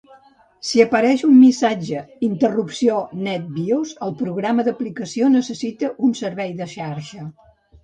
"Si apareix un missatge "interrupció NetBIOS", el programa d'aplicació necessita un servei de xarxa."